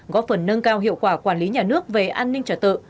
góp phần nâng cao hiệu quả quản lý nhà nước về an ninh trả tự